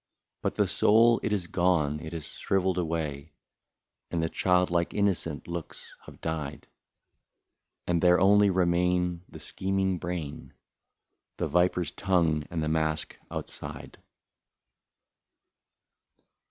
But the soul it is gone, — it has shrivelled away. And the child like innocent smiles have died ; And there only remain the scheming brain. The viper's tongue, and the mask outside.